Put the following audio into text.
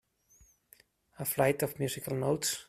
A flight of musical notes.